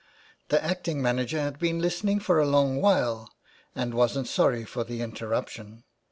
The acting manager had been listening for a long while and wasn't sorry for the interruption.